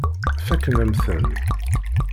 Fakken-am-ten.